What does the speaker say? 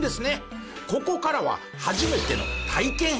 ここからは初めての体験編。